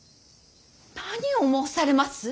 何を申されます。